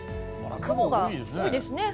雲が多いですね。